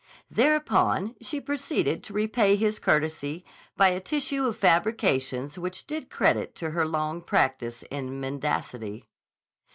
Thereupon she proceeded to repay his courtesy by a tissue of fabrications which did credit to her long practice in mendacity.